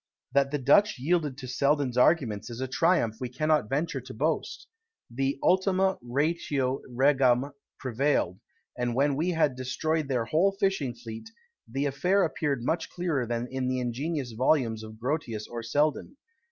That the Dutch yielded to Selden's arguments is a triumph we cannot venture to boast. The ultima ratio regum prevailed; and when we had destroyed their whole fishing fleet, the affair appeared much clearer than in the ingenious volumes of Grotius or Selden.